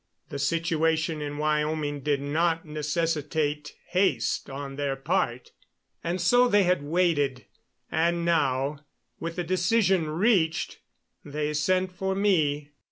The situation in Wyoming did not necessitate haste on their part, and so they had waited. And now, with a decision reached, they sent for me.